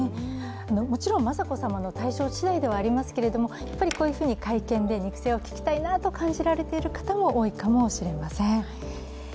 もちろん雅子さまの体調しだいではありますけれども会見で肉声を聞きたいなと感じられている方も多いかもしれません。